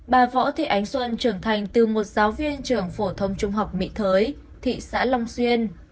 bà võ thị ánh xuân trưởng thành từ một giáo viên trường phổ thông trung học mỹ thới thị xã long xuyên